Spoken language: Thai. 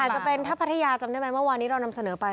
จะเป็นถ้าพัทยาจำได้ไหมเมื่อวานนี้เรานำเสนอไป